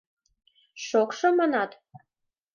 — Шокшо, манат?